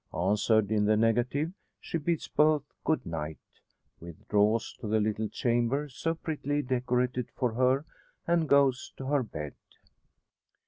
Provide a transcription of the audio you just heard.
Answered in the negative, she bids both "Good night," withdraws to the little chamber so prettily decorated for her, and goes to her bed.